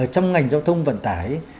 trong ngành giao thông vận tải